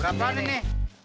mau nggak mau nggak